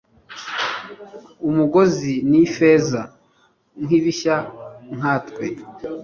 Umugozi ni ifeza nkibishya nkatwe